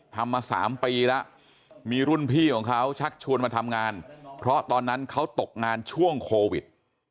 ทำมา๓ปีแล้วมีรุ่นพี่ของเขาชักชวนมาทำงานเพราะตอนนั้นเขาตกงานช่วงโควิด